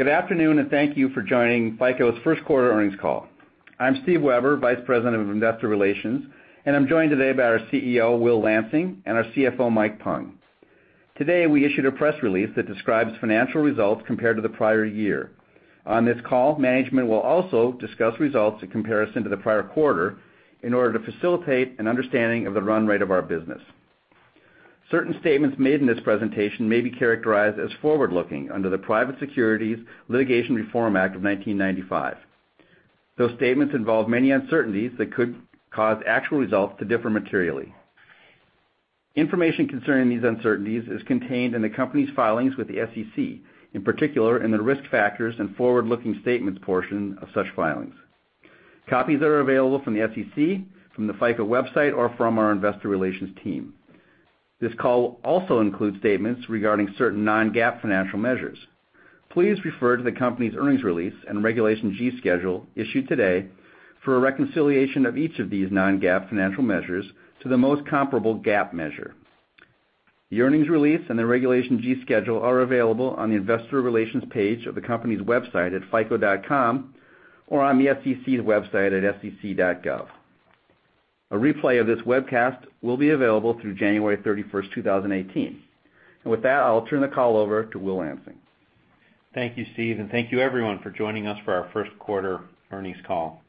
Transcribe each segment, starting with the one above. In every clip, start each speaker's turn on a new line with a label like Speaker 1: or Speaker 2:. Speaker 1: Good afternoon, and thank you for joining FICO's first quarter earnings call. I'm Steve Weber, Vice President of Investor Relations, and I'm joined today by our CEO, Will Lansing, and our CFO, Mike Pung. Today, we issued a press release that describes financial results compared to the prior year. On this call, management will also discuss results in comparison to the prior quarter in order to facilitate an understanding of the run rate of our business. Certain statements made in this presentation may be characterized as forward-looking under the Private Securities Litigation Reform Act of 1995. Those statements involve many uncertainties that could cause actual results to differ materially. Information concerning these uncertainties is contained in the company's filings with the SEC, in particular in the risk factors and forward-looking statements portion of such filings. Copies are available from the SEC, from the FICO website, or from our investor relations team. This call also includes statements regarding certain non-GAAP financial measures. Please refer to the company's earnings release and Regulation G schedule issued today for a reconciliation of each of these non-GAAP financial measures to the most comparable GAAP measure. The earnings release and the Regulation G schedule are available on the investor relations page of the company's website at fico.com or on the SEC's website at sec.gov. A replay of this webcast will be available through January 31st, 2018. With that, I'll turn the call over to Will Lansing.
Speaker 2: Thank you, Steve, and thank you everyone for joining us for our first quarter earnings call.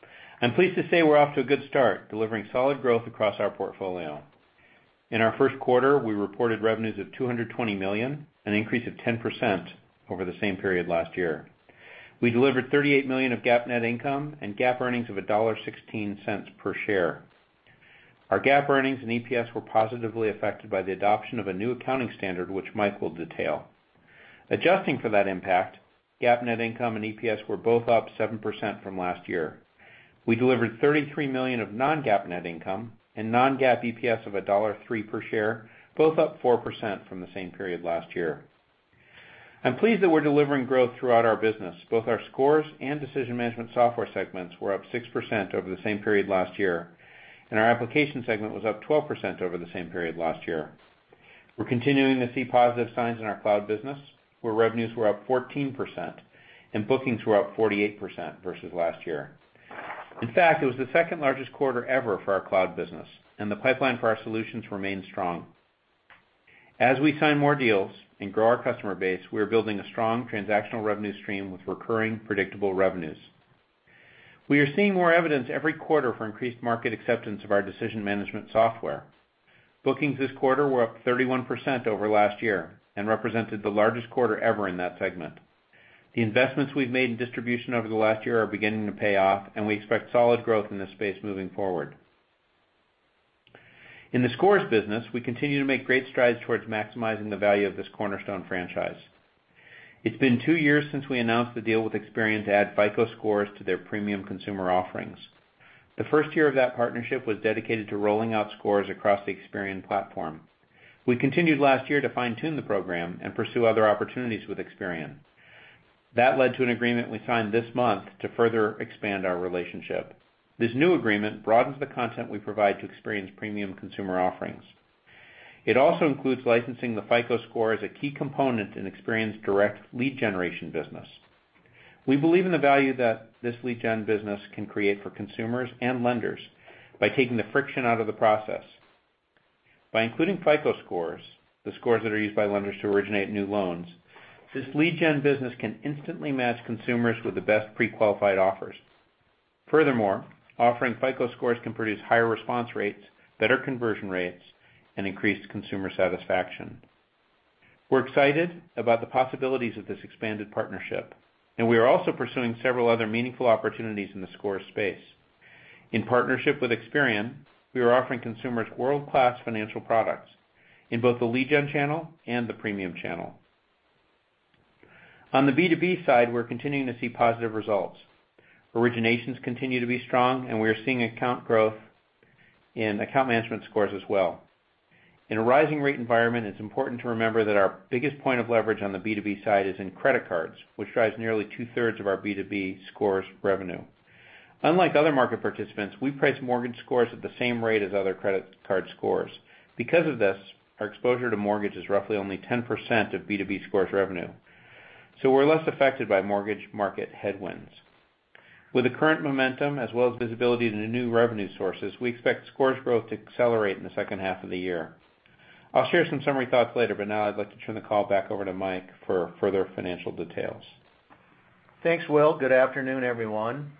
Speaker 2: I'm pleased to say we're off to a good start, delivering solid growth across our portfolio. In our first quarter, we reported revenues of $220 million, an increase of 10% over the same period last year. We delivered $38 million of GAAP net income and GAAP earnings of $1.16 per share. Our GAAP earnings and EPS were positively affected by the adoption of a new accounting standard, which Mike will detail. Adjusting for that impact, GAAP net income and EPS were both up 7% from last year. We delivered $33 million of non-GAAP net income and non-GAAP EPS of $1.03 per share, both up 4% from the same period last year. I'm pleased that we're delivering growth throughout our business. Both our scores and decision management software segments were up 6% over the same period last year. Our application segment was up 12% over the same period last year. We're continuing to see positive signs in our cloud business, where revenues were up 14% and bookings were up 48% versus last year. In fact, it was the second-largest quarter ever for our cloud business. The pipeline for our solutions remains strong. As we sign more deals and grow our customer base, we are building a strong transactional revenue stream with recurring predictable revenues. We are seeing more evidence every quarter for increased market acceptance of our decision management software. Bookings this quarter were up 31% over last year and represented the largest quarter ever in that segment. The investments we've made in distribution over the last year are beginning to pay off, and we expect solid growth in this space moving forward. In the scores business, we continue to make great strides towards maximizing the value of this cornerstone franchise. It's been 2 years since we announced the deal with Experian to add FICO scores to their premium consumer offerings. The first year of that partnership was dedicated to rolling out scores across the Experian platform. We continued last year to fine-tune the program and pursue other opportunities with Experian. That led to an agreement we signed this month to further expand our relationship. This new agreement broadens the content we provide to Experian's premium consumer offerings. It also includes licensing the FICO Score as a key component in Experian's direct lead generation business. We believe in the value that this lead gen business can create for consumers and lenders by taking the friction out of the process. By including FICO scores, the scores that are used by lenders to originate new loans, this lead gen business can instantly match consumers with the best pre-qualified offers. Furthermore, offering FICO scores can produce higher response rates, better conversion rates, and increased consumer satisfaction. We're excited about the possibilities of this expanded partnership. We are also pursuing several other meaningful opportunities in the scores space. In partnership with Experian, we are offering consumers world-class financial products in both the lead gen channel and the premium channel. On the B2B side, we're continuing to see positive results. Originations continue to be strong. We are seeing account growth in account management scores as well. In a rising rate environment, it's important to remember that our biggest point of leverage on the B2B side is in credit cards, which drives nearly two-thirds of our B2B scores revenue. Unlike other market participants, we price mortgage scores at the same rate as other credit card scores. Because of this, our exposure to mortgage is roughly only 10% of B2B scores revenue. We're less affected by mortgage market headwinds. With the current momentum as well as visibility into new revenue sources, we expect scores growth to accelerate in the second half of the year. I'll share some summary thoughts later. Now I'd like to turn the call back over to Mike for further financial details.
Speaker 1: Thanks, Will. Good afternoon, everyone.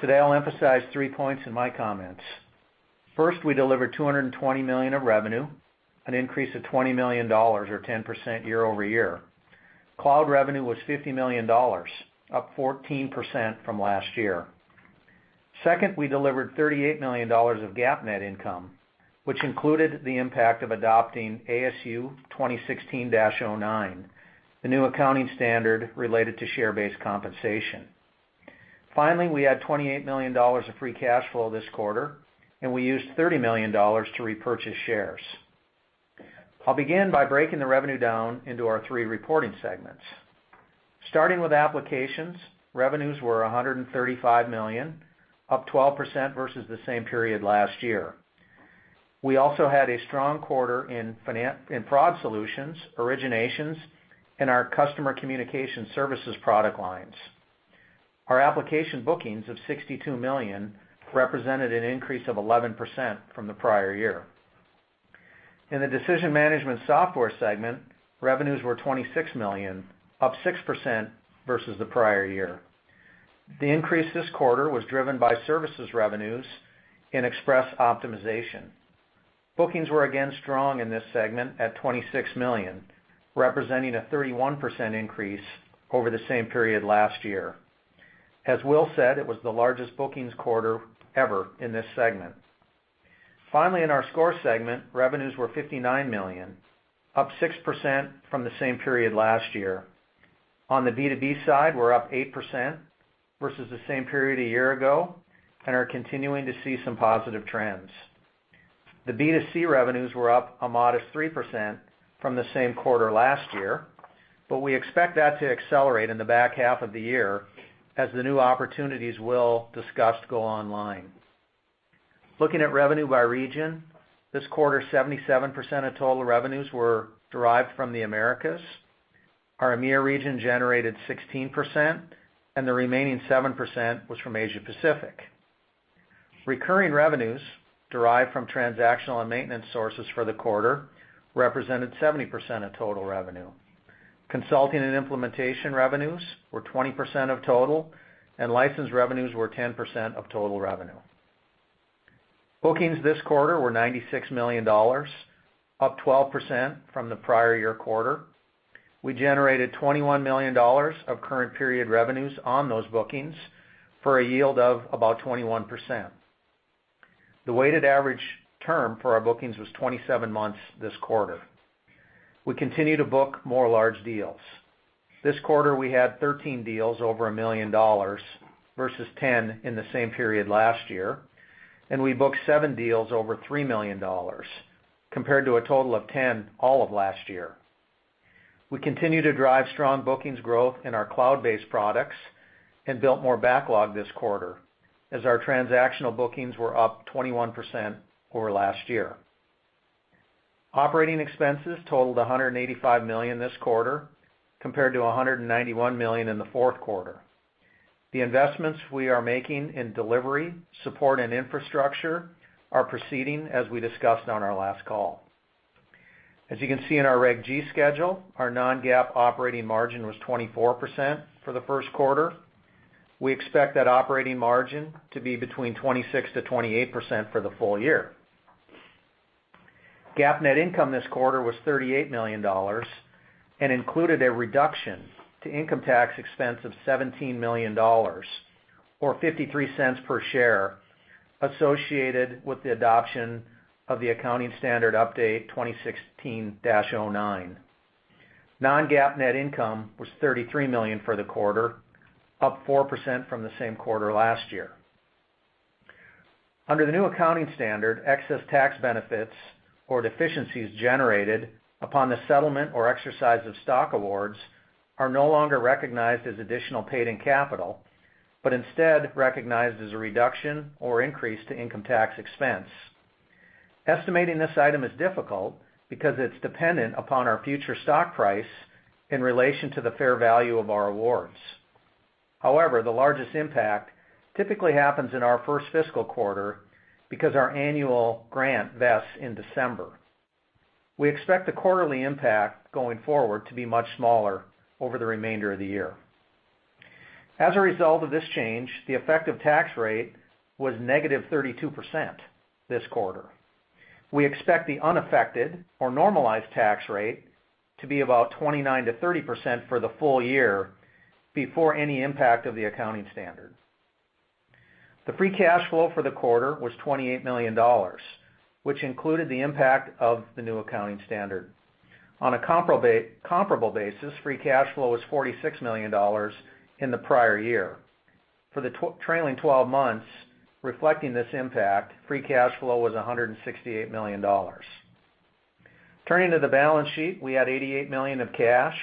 Speaker 1: Today, I'll emphasize 3 points in my comments. First, we delivered $220 million of revenue, an increase of $20 million, or 10% year-over-year. Cloud revenue was $50 million, up 14% from last year. Second, we delivered $38 million of GAAP net income, which included the impact of adopting ASU 2016-09, the new accounting standard related to share-based compensation. Finally, we had $28 million of free cash flow this quarter. We used $30 million to repurchase shares. I'll begin by breaking the revenue down into our 3 reporting segments. Starting with applications, revenues were $135 million, up 12% versus the same period last year.
Speaker 3: We also had a strong quarter in fraud solutions, originations, and our customer communication services product lines. Our application bookings of $62 million represented an increase of 11% from the prior year. In the decision management software segment, revenues were $26 million, up 6% versus the prior year. The increase this quarter was driven by services revenues in Xpress Optimization. Bookings were again strong in this segment at $26 million, representing a 31% increase over the same period last year. As Will said, it was the largest bookings quarter ever in this segment. Finally, in our score segment, revenues were $59 million, up 6% from the same period last year. On the B2B side, we're up 8% versus the same period a year ago and are continuing to see some positive trends. The B2C revenues were up a modest 3% from the same quarter last year, but we expect that to accelerate in the back half of the year as the new opportunities Will discussed go online. Looking at revenue by region, this quarter, 77% of total revenues were derived from the Americas. Our EMEA region generated 16%, and the remaining 7% was from Asia-Pacific. Recurring revenues derived from transactional and maintenance sources for the quarter represented 70% of total revenue. Consulting and implementation revenues were 20% of total, and license revenues were 10% of total revenue. Bookings this quarter were $96 million, up 12% from the prior year quarter. We generated $21 million of current period revenues on those bookings for a yield of about 21%. The weighted average term for our bookings was 27 months this quarter. We continue to book more large deals. This quarter, we had 13 deals over $1 million versus 10 in the same period last year, and we booked seven deals over $3 million compared to a total of 10 all of last year. We continue to drive strong bookings growth in our cloud-based products and built more backlog this quarter as our transactional bookings were up 21% over last year. Operating expenses totaled $185 million this quarter, compared to $191 million in the fourth quarter. The investments we are making in delivery, support, and infrastructure are proceeding as we discussed on our last call. As you can see in our Reg G schedule, our non-GAAP operating margin was 24% for the first quarter. We expect that operating margin to be between 26%-28% for the full year. GAAP net income this quarter was $38 million and included a reduction to income tax expense of $17 million, or $0.53 per share, associated with the adoption of the Accounting Standard Update 2016-09. Non-GAAP net income was $33 million for the quarter, up 4% from the same quarter last year. Under the new accounting standard, excess tax benefits or deficiencies generated upon the settlement or exercise of stock awards are no longer recognized as additional paid-in capital, but instead recognized as a reduction or increase to income tax expense. Estimating this item is difficult because it's dependent upon our future stock price in relation to the fair value of our awards. However, the largest impact typically happens in our first fiscal quarter because our annual grant vests in December. We expect the quarterly impact going forward to be much smaller over the remainder of the year. As a result of this change, the effective tax rate was -32% this quarter. We expect the unaffected or normalized tax rate to be about 29%-30% for the full year before any impact of the accounting standard. The free cash flow for the quarter was $28 million, which included the impact of the new accounting standard. On a comparable basis, free cash flow was $46 million in the prior year. For the trailing 12 months, reflecting this impact, free cash flow was $168 million. Turning to the balance sheet, we had $88 million of cash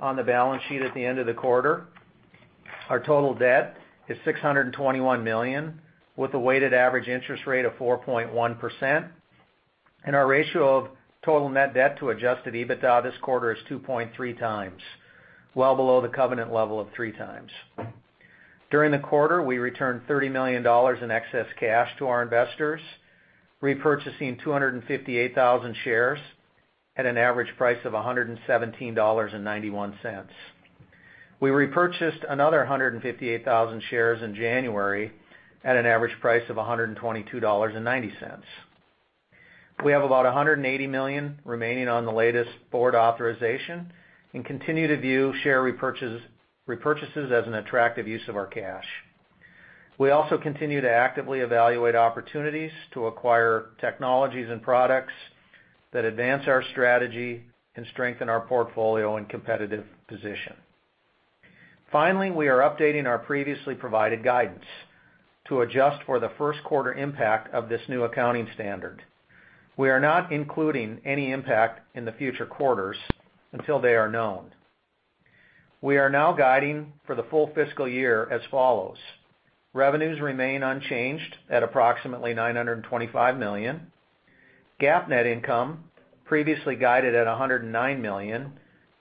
Speaker 3: on the balance sheet at the end of the quarter. Our total debt is $621 million, with a weighted average interest rate of 4.1%, and our ratio of total net debt to adjusted EBITDA this quarter is 2.3 times, well below the covenant level of three times. During the quarter, we returned $30 million in excess cash to our investors, repurchasing 258,000 shares at an average price of $117.91. We repurchased another 158,000 shares in January at an average price of $122.90. We have about $180 million remaining on the latest board authorization and continue to view share repurchases as an attractive use of our cash. We also continue to actively evaluate opportunities to acquire technologies and products that advance our strategy and strengthen our portfolio and competitive position. Finally, we are updating our previously provided guidance to adjust for the first quarter impact of this new accounting standard. We are not including any impact in the future quarters until they are known. We are now guiding for the full fiscal year as follows. Revenues remain unchanged at approximately $925 million. GAAP net income, previously guided at $109 million,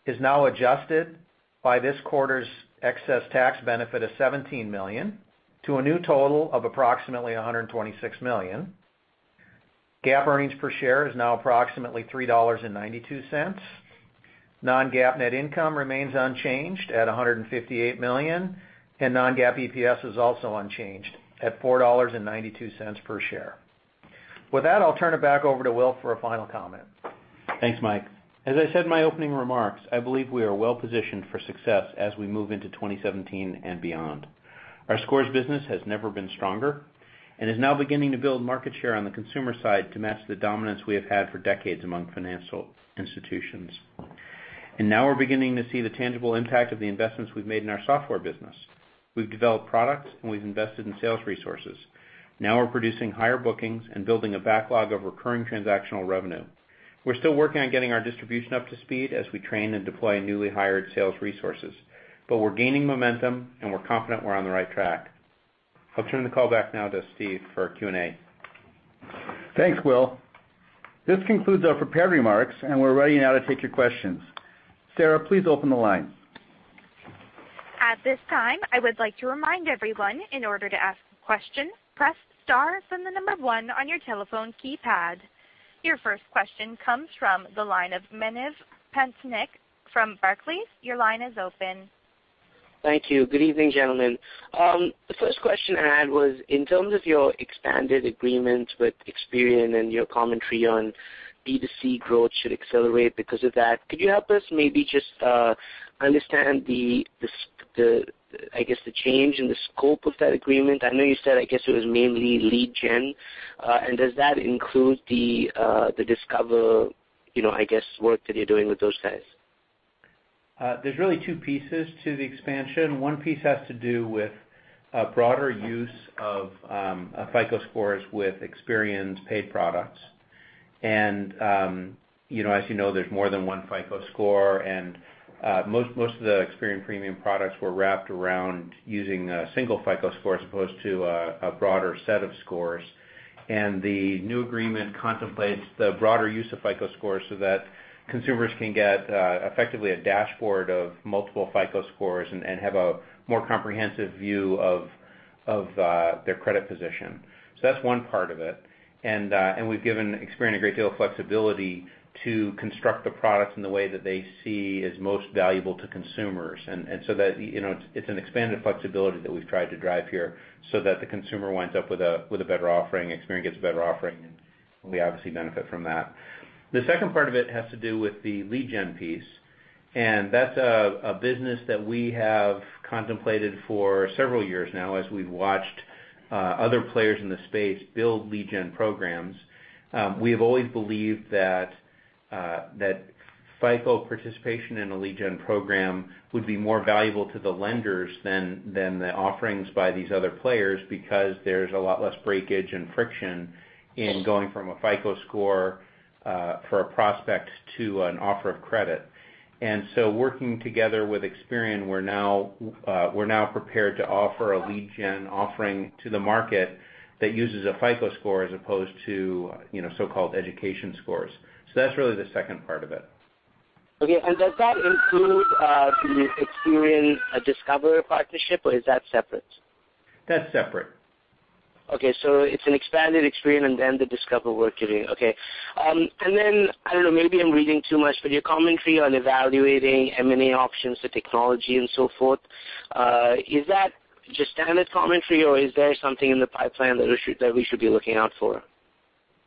Speaker 3: is now adjusted by this quarter's excess tax benefit of $17 million to a new total of approximately $126 million. GAAP earnings per share is now approximately $3.92. Non-GAAP net income remains unchanged at $158 million, and non-GAAP EPS is also unchanged at $4.92 per share. With that, I'll turn it back over to Will for a final comment.
Speaker 2: Thanks, Mike Pung. As I said in my opening remarks, I believe we are well-positioned for success as we move into 2017 and beyond. Our FICO scores business has never been stronger and is now beginning to build market share on the consumer side to match the dominance we have had for decades among financial institutions. Now we're beginning to see the tangible impact of the investments we've made in our software business. We've developed products, and we've invested in sales resources. Now we're producing higher bookings and building a backlog of recurring transactional revenue. We're still working on getting our distribution up to speed as we train and deploy newly hired sales resources. We're gaining momentum, and we're confident we're on the right track. I'll turn the call back now to Steve for Q&A.
Speaker 1: Thanks, Will. This concludes our prepared remarks. We're ready now to take your questions. Sarah, please open the line.
Speaker 4: At this time, I would like to remind everyone, in order to ask a question, press star, the number one on your telephone keypad. Your first question comes from the line of Manav Patnaik from Barclays. Your line is open.
Speaker 5: Thank you. Good evening, gentlemen. The first question I had was, in terms of your expanded agreements with Experian and your commentary on B2C growth should accelerate because of that, could you help us maybe just understand the change in the scope of that agreement? I know you said it was mainly lead gen. Does that include the Discover work that you're doing with those guys?
Speaker 2: There's really two pieces to the expansion. One piece has to do with broader use of FICO scores with Experian's paid products. As you know, there's more than one FICO Score, and most of the Experian premium products were wrapped around using a single FICO Score as opposed to a broader set of scores. The new agreement contemplates the broader use of FICO scores so that consumers can get effectively a dashboard of multiple FICO scores and have a more comprehensive view of their credit position. That's one part of it. We've given Experian a great deal of flexibility to construct the products in the way that they see is most valuable to consumers. It's an expanded flexibility that we've tried to drive here so that the consumer winds up with a better offering, Experian gets a better offering, and we obviously benefit from that. The second part of it has to do with the lead gen piece, and that's a business that we have contemplated for several years now as we've watched other players in the space build lead gen programs. We have always believed that FICO participation in a lead gen program would be more valuable to the lenders than the offerings by these other players, because there's a lot less breakage and friction in going from a FICO score for a prospect to an offer of credit. Working together with Experian, we're now prepared to offer a lead gen offering to the market that uses a FICO score as opposed to so-called education scores. That's really the second part of it.
Speaker 5: Does that include the Experian Discover partnership, or is that separate?
Speaker 2: That's separate.
Speaker 5: Okay, it's an expanded Experian and then the Discover work you're doing. Okay. I don't know, maybe I'm reading too much, but your commentary on evaluating M&A options to technology and so forth, is that just standard commentary, or is there something in the pipeline that we should be looking out for?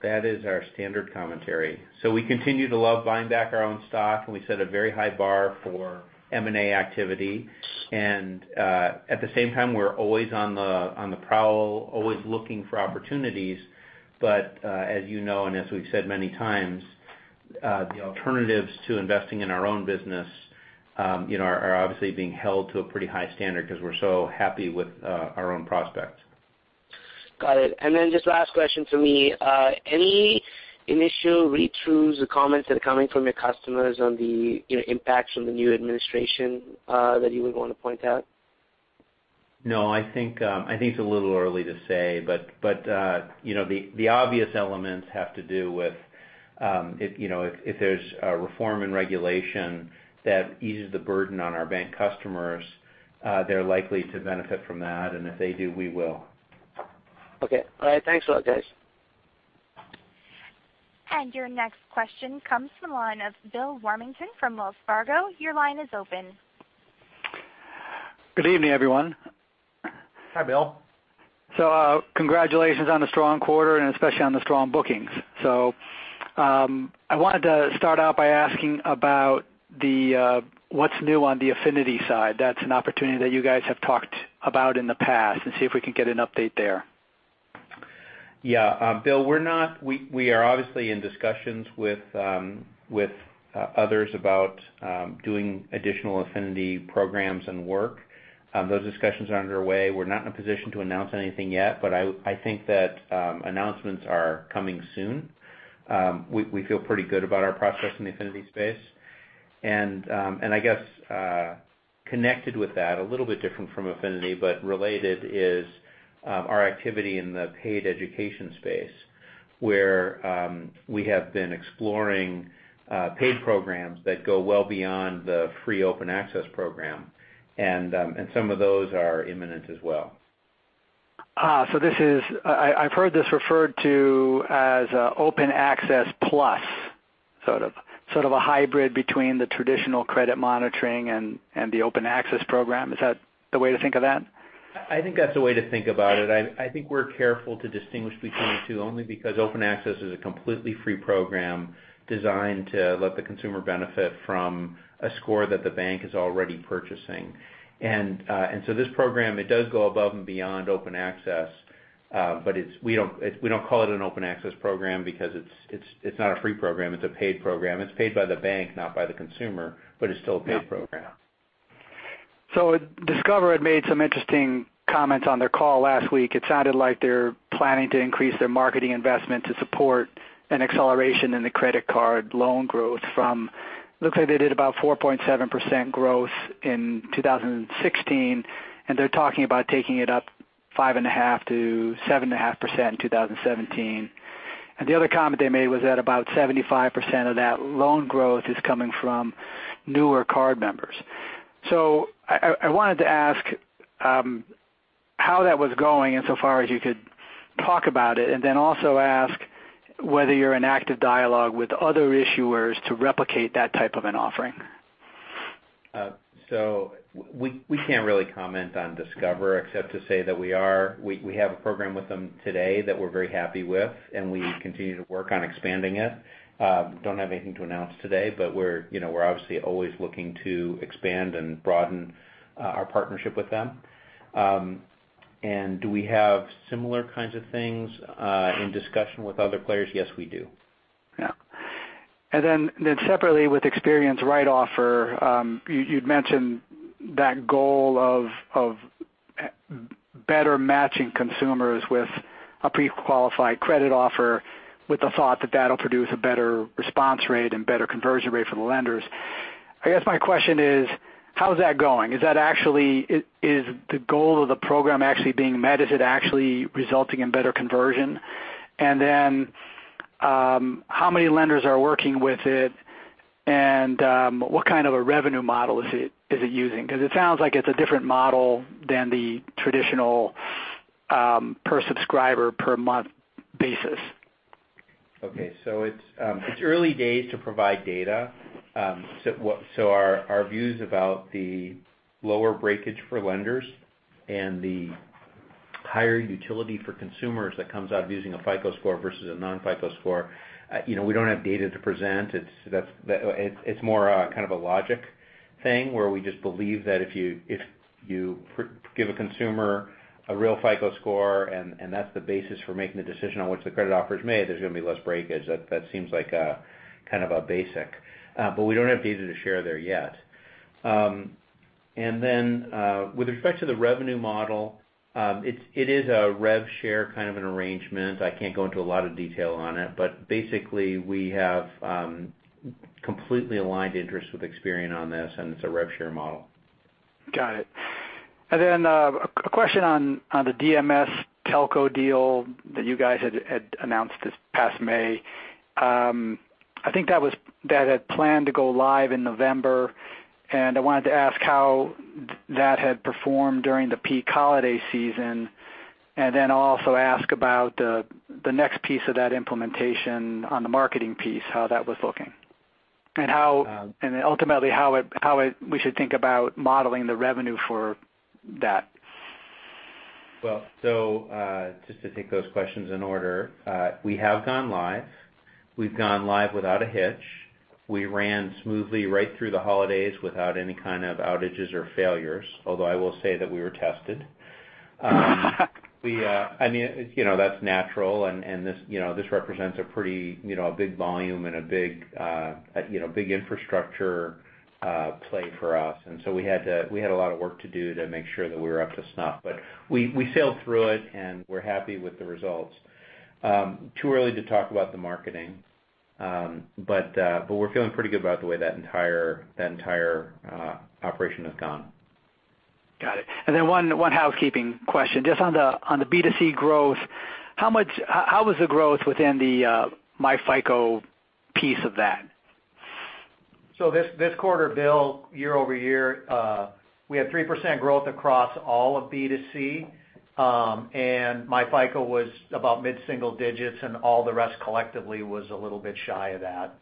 Speaker 2: That is our standard commentary. We continue to love buying back our own stock, and we set a very high bar for M&A activity. At the same time, we're always on the prowl, always looking for opportunities. As you know, and as we've said many times, the alternatives to investing in our own business are obviously being held to a pretty high standard because we're so happy with our own prospects.
Speaker 5: Got it. Just last question for me. Any initial read-throughs or comments that are coming from your customers on the impacts from the new administration that you would want to point out?
Speaker 2: No, I think it's a little early to say, the obvious elements have to do with if there's a reform in regulation that eases the burden on our bank customers, they're likely to benefit from that. If they do, we will.
Speaker 5: Okay. All right. Thanks a lot, guys.
Speaker 4: Your next question comes from the line of Bill Warmington from Wells Fargo. Your line is open.
Speaker 6: Good evening, everyone.
Speaker 2: Hi, Bill.
Speaker 6: Congratulations on the strong quarter and especially on the strong bookings. I wanted to start out by asking about what's new on the affinity side. That's an opportunity that you guys have talked about in the past, and see if we can get an update there.
Speaker 2: Yeah, Bill, we are obviously in discussions with others about doing additional affinity programs and work. Those discussions are underway. We're not in a position to announce anything yet, but I think that announcements are coming soon. We feel pretty good about our progress in the affinity space. I guess, connected with that, a little bit different from affinity, but related, is our activity in the paid education space, where we have been exploring paid programs that go well beyond the free Open Access program. Some of those are imminent as well.
Speaker 6: I've heard this referred to as Open Access Plus, sort of a hybrid between the traditional credit monitoring and the Open Access program. Is that the way to think of that?
Speaker 2: I think that's a way to think about it. I think we're careful to distinguish between the two only because Open Access is a completely free program designed to let the consumer benefit from a score that the bank is already purchasing. This program, it does go above and beyond Open Access, but we don't call it an Open Access program because it's not a free program. It's a paid program. It's paid by the bank, not by the consumer, but it's still a paid program.
Speaker 6: Discover had made some interesting comments on their call last week. It sounded like they're planning to increase their marketing investment to support an acceleration in the credit card loan growth from, looks like they did about 4.7% growth in 2016, and they're talking about taking it up 5.5%-7.5% in 2017. The other comment they made was that about 75% of that loan growth is coming from newer card members. I wanted to ask how that was going in so far as you could talk about it, and then also ask whether you're in active dialogue with other issuers to replicate that type of an offering.
Speaker 2: We can't really comment on Discover except to say that we have a program with them today that we're very happy with, and we continue to work on expanding it. Don't have anything to announce today, but we're obviously always looking to expand and broaden our partnership with them. Do we have similar kinds of things in discussion with other players? Yes, we do.
Speaker 6: Separately with Experian's Right Offer, you'd mentioned that goal of better matching consumers with a pre-qualified credit offer with the thought that that'll produce a better response rate and better conversion rate for the lenders. I guess my question is, how is that going? Is the goal of the program actually being met? Is it actually resulting in better conversion? How many lenders are working with it, and what kind of a revenue model is it using? Because it sounds like it's a different model than the traditional per subscriber per month basis.
Speaker 2: It's early days to provide data. Our views about the lower breakage for lenders and the higher utility for consumers that comes out of using a FICO Score versus a non-FICO Score, we don't have data to present. It's more a kind of a logic thing where we just believe that if you give a consumer a real FICO Score and that's the basis for making the decision on which the credit offer's made, there's going to be less breakage. That seems like kind of a basic. We don't have data to share there yet. With respect to the revenue model, it is a rev share kind of an arrangement. I can't go into a lot of detail on it, but basically we have completely aligned interests with Experian on this, and it's a rev share model.
Speaker 6: Got it. A question on the DMS telco deal that you guys had announced this past May. I think that had planned to go live in November, and I wanted to ask how that had performed during the peak holiday season, and also ask about the next piece of that implementation on the marketing piece, how that was looking. Ultimately how we should think about modeling the revenue for that.
Speaker 2: Just to take those questions in order, we have gone live. We've gone live without a hitch. We ran smoothly right through the holidays without any kind of outages or failures, although I will say that we were tested. That's natural and this represents a pretty big volume and a big infrastructure play for us. We had a lot of work to do to make sure that we were up to snuff. We sailed through it, and we're happy with the results. Too early to talk about the marketing. We're feeling pretty good about the way that entire operation has gone.
Speaker 6: Got it. One housekeeping question, just on the B2C growth, how was the growth within the myFICO piece of that?
Speaker 3: This quarter, Bill, year-over-year, we had 3% growth across all of B2C, and myFICO was about mid-single digits, and all the rest collectively was a little bit shy of that.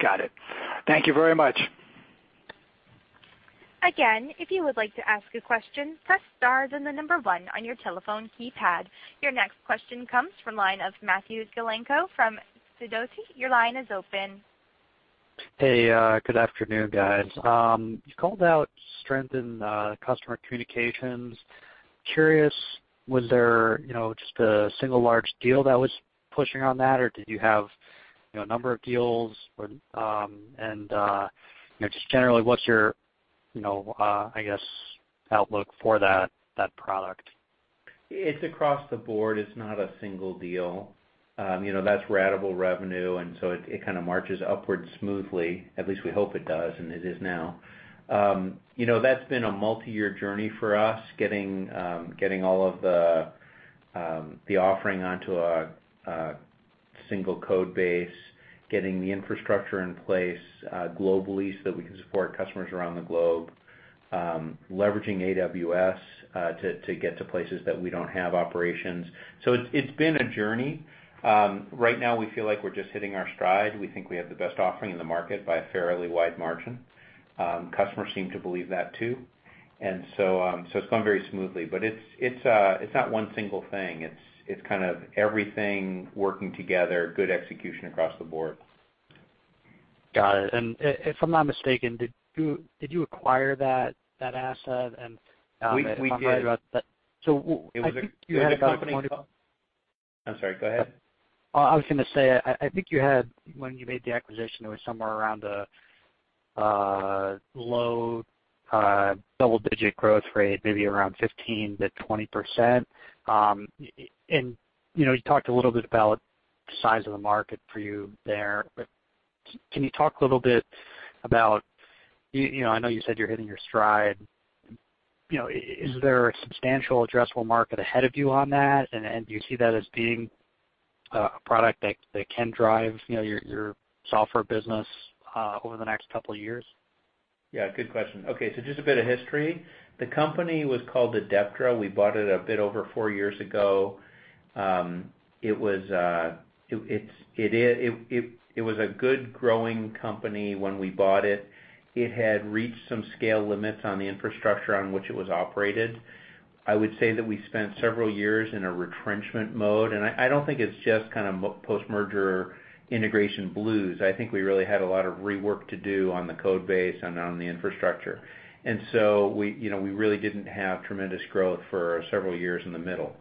Speaker 6: Got it. Thank you very much.
Speaker 4: Again, if you would like to ask a question, press star and the number 1 on your telephone keypad. Your next question comes from line of Matthew Golenko from Susquehanna. Your line is open.
Speaker 7: Hey, good afternoon, guys. You called out strength in customer communications. Curious, was there just a single large deal that was pushing on that, or did you have a number of deals? Just generally, what's your outlook for that product?
Speaker 2: It's across the board. It's not a single deal. That's ratable revenue, it kind of marches upwards smoothly. At least we hope it does, it is now. That's been a multi-year journey for us, getting all of the offering onto a single code base, getting the infrastructure in place globally so that we can support customers around the globe, leveraging AWS to get to places that we don't have operations. It's been a journey. Right now, we feel like we're just hitting our stride. We think we have the best offering in the market by a fairly wide margin. Customers seem to believe that too. It's gone very smoothly, but it's not one single thing. It's kind of everything working together, good execution across the board.
Speaker 7: Got it. If I'm not mistaken, did you acquire that asset?
Speaker 2: We did.
Speaker 7: If I'm right about that. I think you had.
Speaker 2: It was a company. I'm sorry, go ahead.
Speaker 7: I was going to say, I think you had, when you made the acquisition, it was somewhere around a low double-digit growth rate, maybe around 15%-20%. You talked a little bit about the size of the market for you there, but can you talk a little bit about, I know you said you're hitting your stride. Is there a substantial addressable market ahead of you on that? Do you see that as being a product that can drive your software business over the next couple of years?
Speaker 2: Yeah, good question. Okay, just a bit of history. The company was called Adeptra. We bought it a bit over four years ago. It was a good growing company when we bought it. It had reached some scale limits on the infrastructure on which it was operated. I would say that we spent several years in a retrenchment mode. I don't think it's just kind of post-merger integration blues. I think we really had a lot of rework to do on the code base and on the infrastructure. We really didn't have tremendous growth for several years in the middle.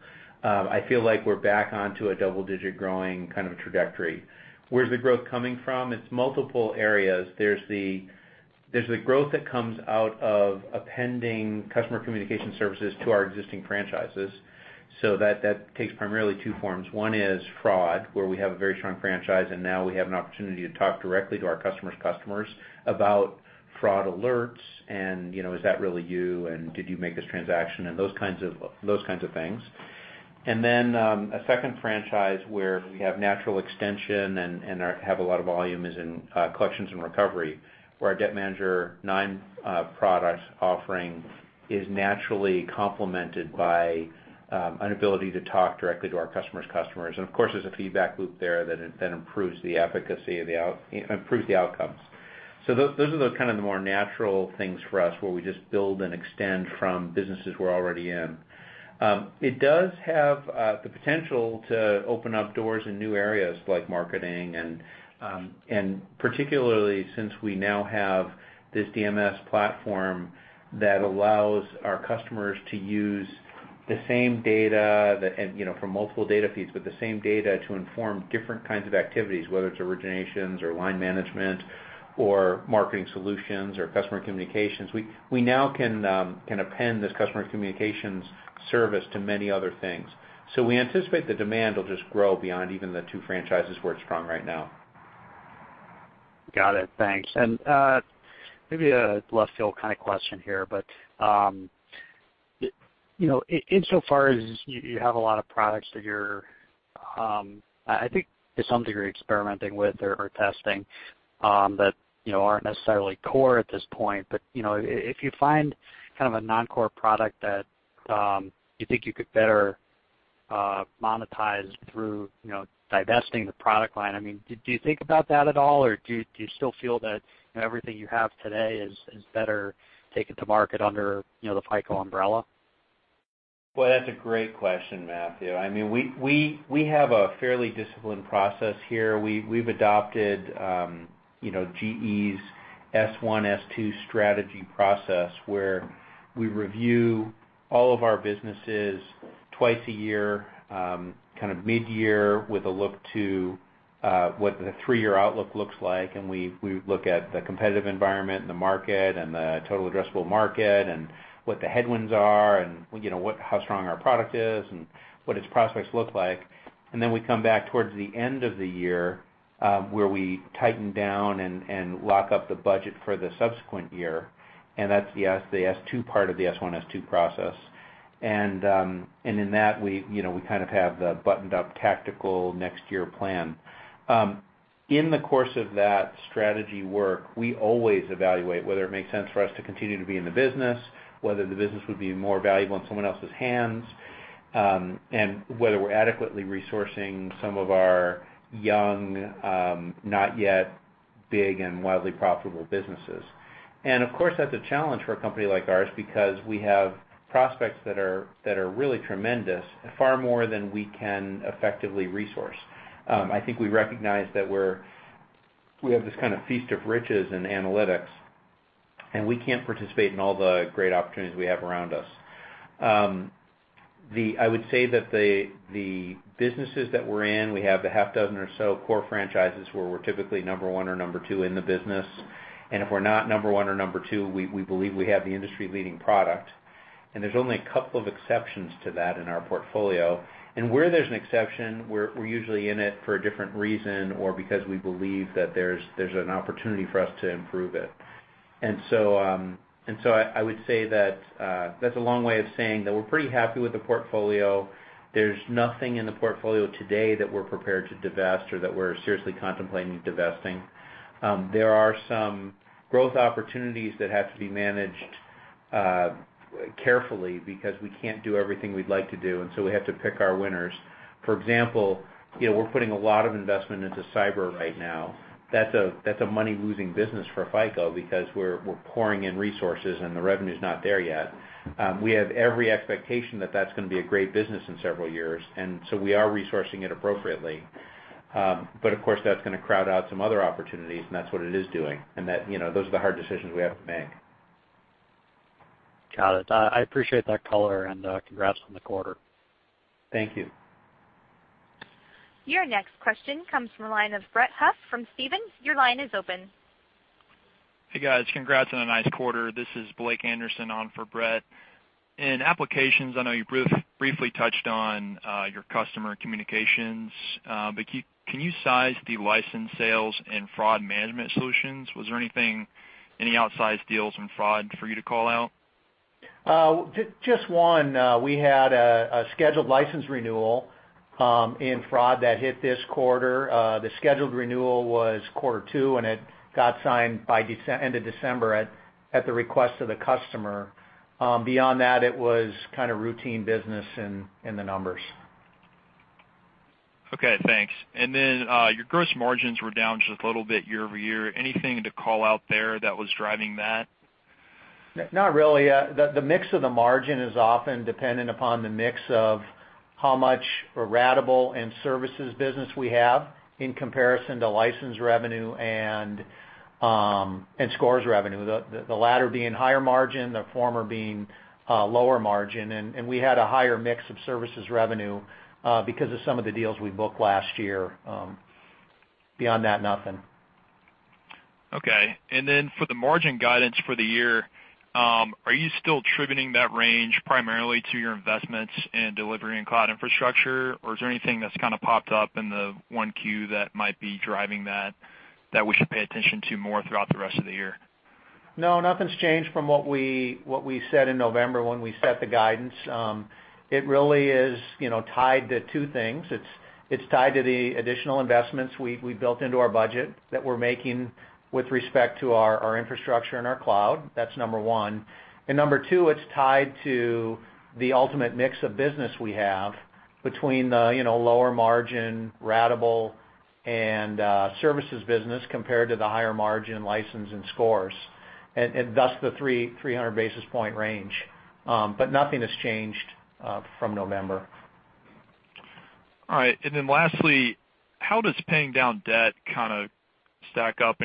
Speaker 2: I feel like we're back onto a double-digit growing kind of trajectory. Where's the growth coming from? It's multiple areas. There's the growth that comes out of appending customer communication services to our existing franchises. That takes primarily two forms. One is fraud, where we have a very strong franchise. Now we have an opportunity to talk directly to our customer's customers about fraud alerts and, "Is that really you?" "Did you make this transaction?" Those kinds of things. Then, a second franchise where we have natural extension and have a lot of volume is in collections and recovery, where our Debt Manager 9 products offering is naturally complemented by an ability to talk directly to our customer's customers. Of course, there's a feedback loop there that improves the efficacy of the outcomes. Those are the kind of the more natural things for us where we just build and extend from businesses we're already in. It does have the potential to open up doors in new areas like marketing and particularly since we now have this DMS platform that allows our customers to use the same data that, from multiple data feeds, but the same data to inform different kinds of activities, whether it's originations or line management or marketing solutions or customer communications. We now can append this customer communications service to many other things. We anticipate the demand will just grow beyond even the two franchises where it's strong right now.
Speaker 7: Got it. Thanks. Maybe a left field kind of question here, but insofar as you have a lot of products that you're, I think to some degree, experimenting with or testing that aren't necessarily core at this point. If you find kind of a non-core product that you think you could better monetize through divesting the product line, do you think about that at all? Or do you still feel that everything you have today is better taken to market under the FICO umbrella?
Speaker 2: Boy, that's a great question, Matthew. We have a fairly disciplined process here. We've adopted GE's S1, S2 strategy process where we review all of our businesses twice a year, kind of mid-year with a look to what the three-year outlook looks like. We look at the competitive environment and the market and the total addressable market, and what the headwinds are, and how strong our product is and what its prospects look like. Then we come back towards the end of the year, where we tighten down and lock up the budget for the subsequent year. That's the S2 part of the S1, S2 process. In that, we kind of have the buttoned-up tactical next year plan. In the course of that strategy work, we always evaluate whether it makes sense for us to continue to be in the business, whether the business would be more valuable in someone else's hands, and whether we're adequately resourcing some of our young, not yet big and wildly profitable businesses. Of course, that's a challenge for a company like ours because we have prospects that are really tremendous, far more than we can effectively resource. I think we recognize that we have this kind of feast of riches in analytics, and we can't participate in all the great opportunities we have around us. I would say that the businesses that we're in, we have a half dozen or so core franchises where we're typically number 1 or number 2 in the business. If we're not number 1 or number 2, we believe we have the industry-leading product. There's only a couple of exceptions to that in our portfolio. Where there's an exception, we're usually in it for a different reason or because we believe that there's an opportunity for us to improve it. So I would say that's a long way of saying that we're pretty happy with the portfolio. There's nothing in the portfolio today that we're prepared to divest or that we're seriously contemplating divesting. There are some growth opportunities that have to be managed carefully because we can't do everything we'd like to do, and so we have to pick our winners. For example, we're putting a lot of investment into cyber right now. That's a money-losing business for FICO because we're pouring in resources and the revenue's not there yet. We have every expectation that that's going to be a great business in several years, so we are resourcing it appropriately. Of course, that's going to crowd out some other opportunities, and that's what it is doing. Those are the hard decisions we have to make.
Speaker 7: Got it. I appreciate that color and congrats on the quarter.
Speaker 2: Thank you.
Speaker 4: Your next question comes from the line of Brett Huff from Stephens. Your line is open.
Speaker 8: Hey, guys. Congrats on a nice quarter. This is Blake Anderson on for Brett. In applications, I know you briefly touched on your customer communications. Can you size the license sales and fraud management solutions? Was there any outsized deals in fraud for you to call out?
Speaker 2: Just one. We had a scheduled license renewal in fraud that hit this quarter. The scheduled renewal was quarter 2, and it got signed by end of December at the request of the customer. Beyond that, it was kind of routine business in the numbers.
Speaker 8: Okay, thanks. Your gross margins were down just a little bit year-over-year. Anything to call out there that was driving that?
Speaker 2: Not really. The mix of the margin is often dependent upon the mix of how much ratable and services business we have in comparison to license revenue and scores revenue, the latter being higher margin, the former being lower margin. We had a higher mix of services revenue because of some of the deals we booked last year. Beyond that, nothing.
Speaker 8: Okay. For the margin guidance for the year, are you still attributing that range primarily to your investments in delivery and cloud infrastructure? Or is there anything that's kind of popped up in the 1Q that might be driving that we should pay attention to more throughout the rest of the year?
Speaker 2: No, nothing's changed from what we said in November when we set the guidance. It really is tied to two things. It's tied to the additional investments we built into our budget that we're making with respect to our infrastructure and our cloud. That's number one. Number two, it's tied to the ultimate mix of business we have between the lower margin ratable and services business compared to the higher margin license and scores. Thus the 300 basis point range. Nothing has changed from November.
Speaker 8: All right. Lastly, how does paying down debt kind of stack up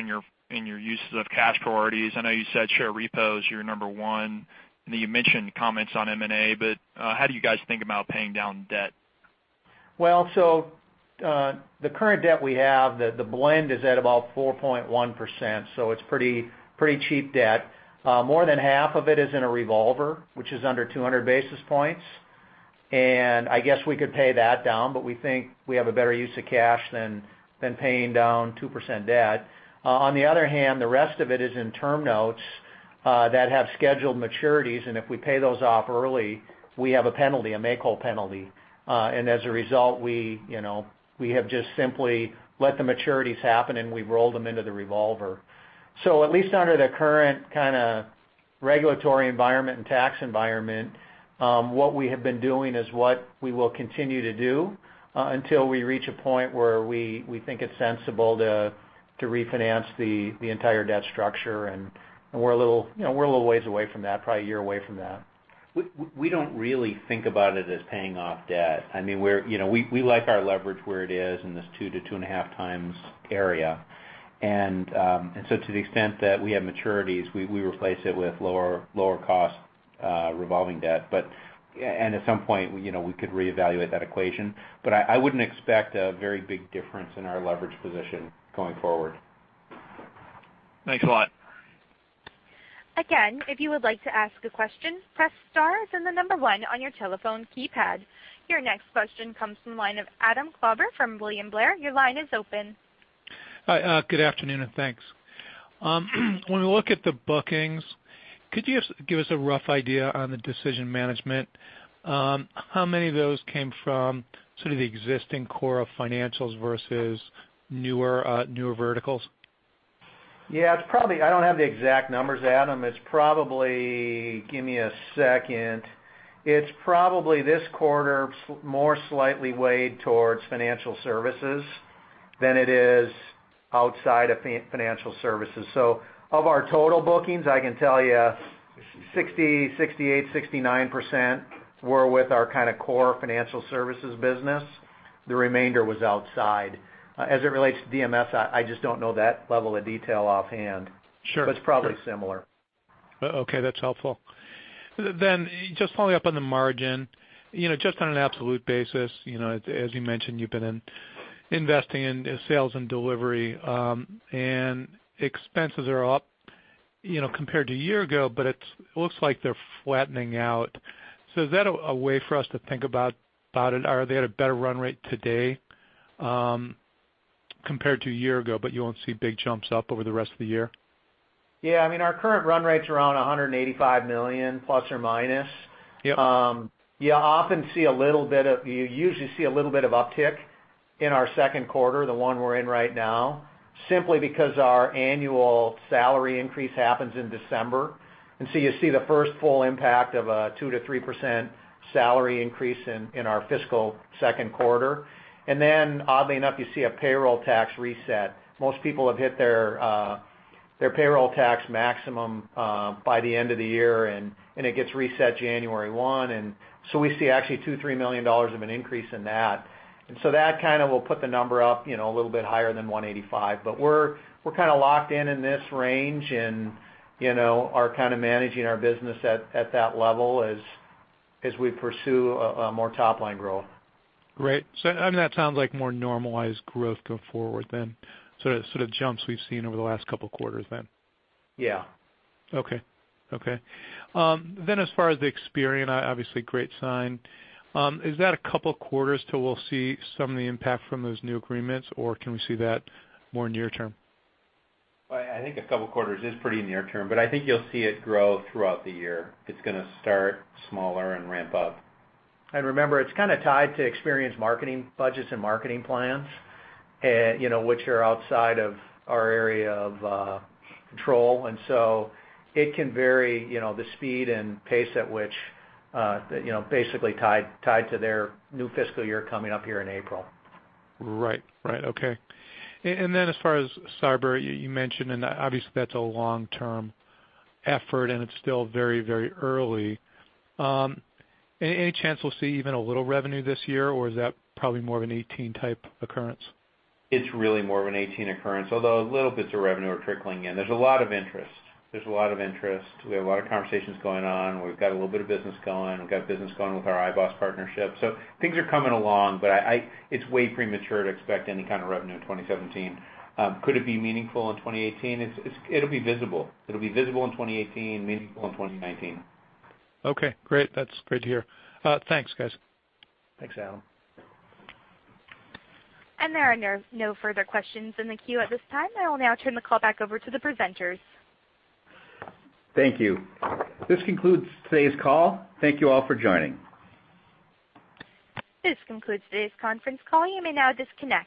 Speaker 8: in your uses of cash priorities? I know you said share repos, you're number one, you mentioned comments on M&A, how do you guys think about paying down debt?
Speaker 2: The current debt we have, the blend is at about 4.1%, it's pretty cheap debt. More than half of it is in a revolver, which is under 200 basis points. I guess we could pay that down, we think we have a better use of cash than paying down 2% debt. On the other hand, the rest of it is in term notes that have scheduled maturities, if we pay those off early, we have a penalty, a make-whole penalty. As a result, we have just simply let the maturities happen, and we've rolled them into the revolver. At least under the current kind of regulatory environment and tax environment, what we have been doing is what we will continue to do until we reach a point where we think it's sensible to refinance the entire debt structure, and we're a little ways away from that, probably a year away from that. We don't really think about it as paying off debt. We like our leverage where it is in this 2 to 2.5 times area. To the extent that we have maturities, we replace it with lower cost revolving debt. At some point, we could reevaluate that equation. I wouldn't expect a very big difference in our leverage position going forward.
Speaker 8: Thanks a lot.
Speaker 4: Again, if you would like to ask a question, press star then the number one on your telephone keypad. Your next question comes from the line of Adam Klauber from William Blair. Your line is open.
Speaker 9: Hi, good afternoon, thanks. When we look at the bookings, could you give us a rough idea on the decision management? How many of those came from sort of the existing core of financials versus newer verticals?
Speaker 2: Yeah, I don't have the exact numbers, Adam. Give me a second. It's probably this quarter more slightly weighed towards financial services than it is outside of financial services. Of our total bookings, I can tell you 60, 68, 69% were with our kind of core financial services business. The remainder was outside. As it relates to DMS, I just don't know that level of detail offhand.
Speaker 9: Sure.
Speaker 2: It's probably similar.
Speaker 9: Okay, that's helpful. Just following up on the margin, just on an absolute basis, as you mentioned, you've been investing in sales and delivery, and expenses are up compared to a year ago, but it looks like they're flattening out. Is that a way for us to think about it? Are they at a better run rate today compared to a year ago, but you won't see big jumps up over the rest of the year?
Speaker 3: Yeah. Our current run rate's around $185 million, plus or minus.
Speaker 9: Yep.
Speaker 3: You usually see a little bit of uptick in our second quarter, the one we're in right now, simply because our annual salary increase happens in December. You see the first full impact of a 2%-3% salary increase in our fiscal second quarter. Oddly enough, you see a payroll tax reset. Most people have hit their payroll tax maximum by the end of the year, and it gets reset January 1. We see actually $2 million-$3 million of an increase in that. That will put the number up a little bit higher than $185. We're locked in in this range and are managing our business at that level as we pursue more top-line growth.
Speaker 9: Great. That sounds like more normalized growth going forward then. Sort of jumps we've seen over the last couple of quarters then.
Speaker 3: Yeah.
Speaker 9: Okay. As far as the Experian, obviously great sign. Is that a couple quarters till we'll see some of the impact from those new agreements, or can we see that more near term?
Speaker 2: I think a couple quarters is pretty near term, but I think you'll see it grow throughout the year. It's going to start smaller and ramp up.
Speaker 3: Remember, it's tied to Experian's marketing budgets and marketing plans, which are outside of our area of control. It can vary, the speed and pace at which, basically tied to their new fiscal year coming up here in April.
Speaker 9: Right. Okay. As far as cyber, you mentioned, and obviously, that's a long-term effort and it's still very early. Any chance we'll see even a little revenue this year, or is that probably more of a 2018 type occurrence?
Speaker 2: It's really more of a 2018 occurrence, although little bits of revenue are trickling in. There's a lot of interest. We have a lot of conversations going on. We've got a little bit of business going. We've got business going with our iboss partnership. Things are coming along, but it's way premature to expect any kind of revenue in 2017. Could it be meaningful in 2018? It'll be visible. It'll be visible in 2018, meaningful in 2019.
Speaker 9: Okay, great. That's great to hear. Thanks, guys.
Speaker 3: Thanks, Adam.
Speaker 4: There are no further questions in the queue at this time. I will now turn the call back over to the presenters.
Speaker 3: Thank you. This concludes today's call. Thank you all for joining.
Speaker 4: This concludes today's conference call. You may now disconnect.